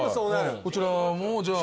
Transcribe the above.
こちらもじゃあ。